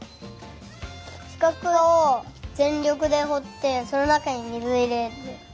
しかくをぜんりょくでほってそのなかに水をいれる。